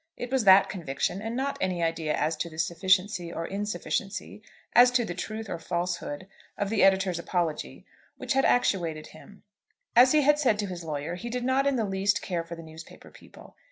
It was that conviction, and not any idea as to the sufficiency or insufficiency, as to the truth or falsehood, of the editor's apology, which had actuated him. As he had said to his lawyer, he did not in the least care for the newspaper people.